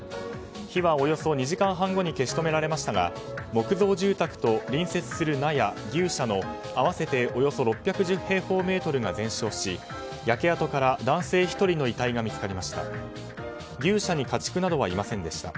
火はおよそ２時間半後に消し止められましたが木造住宅と隣接する納谷、牛舎の合わせておよそ６１０平方メートルが全焼し焼け跡から男性１人の遺体が見つかりました。